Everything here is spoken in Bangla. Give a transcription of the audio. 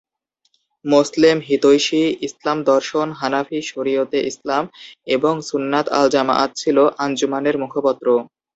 মোসলেম হিতৈষী, ইসলাম দর্শন, হানাফি, শরিয়তে ইসলাম এবং সুন্নাত আল-জামাআত ছিল আঞ্জুমানের মুখপত্র।